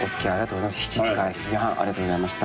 ７時から７時半ありがとうございました。